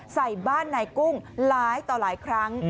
ใส่บ้านนายกุ้งหลายต่อหลายครั้ง